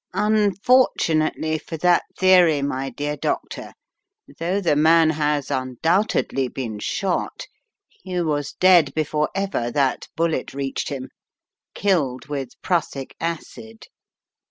"Unfortunately for that theory, my dear Doctor, though the man has undoubtedly been shot, he was dead before ever that bullet reached him: killed with prussic acid.